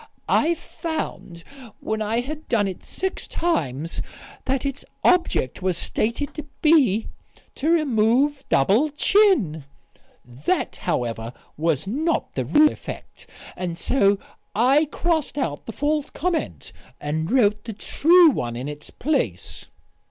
"I found, when I had done it six times that its object was stated to be, 'To remove double chin.' That, however, was not the real effect. And, so I crossed out the false comment and wrote the true one in its place."